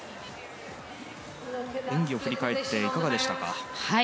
演技を振り返っていかがでしたか。